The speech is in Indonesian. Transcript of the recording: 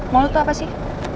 mau lu tau apa sih